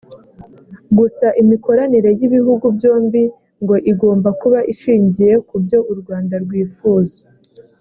Gusa imikoranire y’ibihugu byombi ngo igomba kuba ishingiye ku byo u Rwanda rwifuza